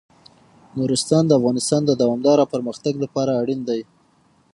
نورستان د افغانستان د دوامداره پرمختګ لپاره اړین دي.